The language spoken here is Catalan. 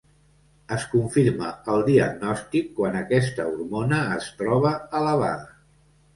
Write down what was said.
Es confirma el diagnòstic quan aquesta hormona es troba elevada.